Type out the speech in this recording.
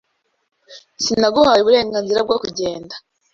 Sinaguhaye uburenganzira bwo kugenda .